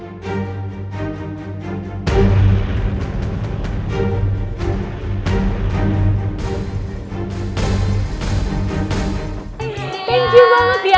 thank you banget ya